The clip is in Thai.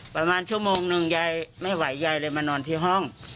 ประมาณชั่วโมงนึงยายไม่ไหวยายเลยมานอนที่ห้อง